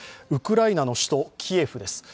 ウクライナの首都キエフです。